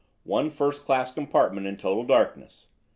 One first class compartment in total darkness.